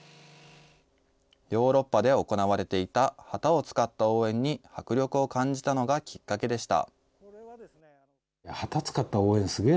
ヨーロッパで行われていた旗を使った応援に迫力を感じたのがきっかけでした。